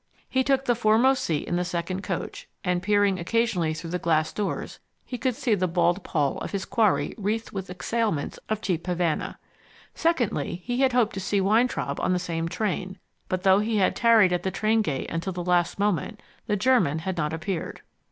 He took the foremost seat in the second coach, and peering occasionally through the glass doors he could see the bald poll of his quarry wreathed with exhalements of cheap havana. Secondly, he had hoped to see Weintraub on the same train, but though he had tarried at the train gate until the last moment, the German had not appeared.